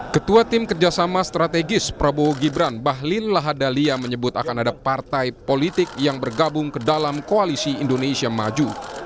ketua tim kerjasama strategis prabowo gibran bahline lahadalia menyebut akan ada partai politik yang bergabung ke dalam koalisi indonesia maju